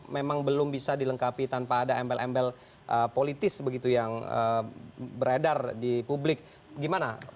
memang belum bisa dilengkapi tanpa ada embel embel politis begitu yang beredar di publik gimana